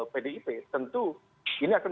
pdip tentu ini akan